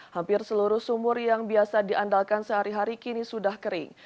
hampir seluruh sumur yang biasa diandalkan sehari hari kini sudah kering